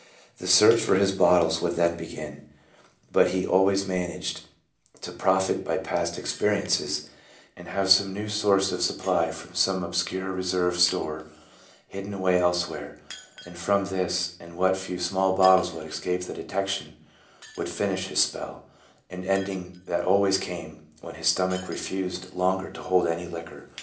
The search for his bottles would then begin, but he always managed to profit by past experiences, and have some new source of supply from some obscure reserve store hidden away elsewhere, and from this and what few small bottles would escape detection he would finish his spell, an ending that always came when his stomach refused longer to hold any liquor.